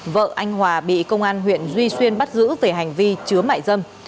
vợ anh hòa bị công an huyện duy xuyên bắt giữ về hành vi chứa mại dâm